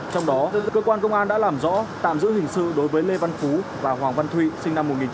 trong đó cơ quan công an đã làm rõ tạm giữ hình sự đối với lê văn phú và hoàng văn thụy sinh năm một nghìn chín trăm tám mươi